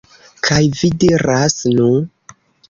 Kaj vi diras, "Nu..."